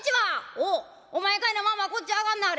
「おうお前かいなまあまあこっち上がんなはれ。